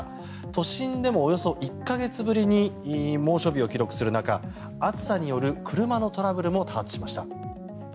都心でもおよそ１か月ぶりに猛暑日を記録する中暑さによる車のトラブルも多発しました。